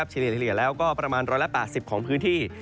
เฉลี่ยแล้วก็ประมาณร้อยละปากสิบของพื้นที่